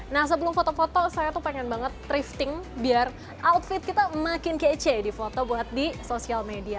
nah sebelum foto foto saya tuh pengen banget drifting biar outfit kita makin kece di foto buat di sosial media